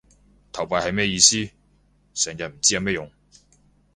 投幣係咩意思？成日唔知有咩用